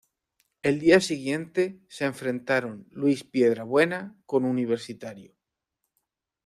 El día siguiente se enfrentaron Luis Piedrabuena con Universitario.